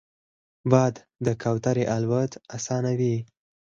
باد د کوترې الوت اسانوي